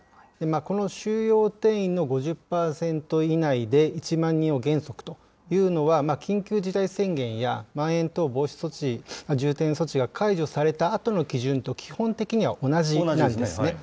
この収容定員の５０％以内で１万人を原則というのは、緊急事態宣言や、まん延等防止措置、重点措置が解除されたあとの基準と、基本的には同じなんですね。